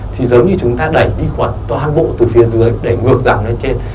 thì giống như chúng ta đẩy đi khuẩn toàn bộ từ phía dưới đẩy ngược dẳng lên trên